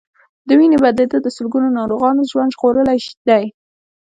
د وینې بدلېدل د سلګونو ناروغانو ژوند ژغورلی دی.